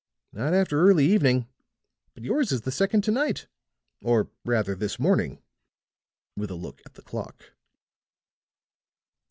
"Not after early evening. But yours is the second to night or rather this morning," with a look at the clock.